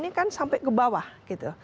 ini kan sampai ke bawah gitu